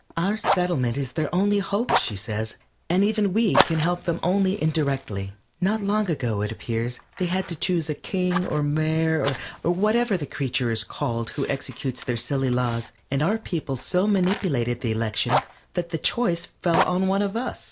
Our settlement is their only hope, she says, and even we can help them only indirectly. Not long ago, it appears, they had to choose a King or Mayor, or whatever the creature is called who executes their silly laws, and our people so manipulated the election that the choice fell on one of us.